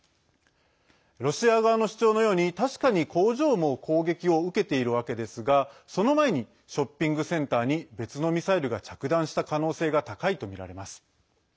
ロシア側の主張のように確かに工場も攻撃を受けているわけですがその前にショッピングセンターに別のミサイルが着弾した可能性が高いとみられます。